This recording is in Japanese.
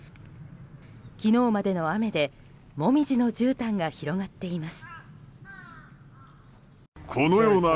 昨日までの雨でモミジのじゅうたんが広がっています。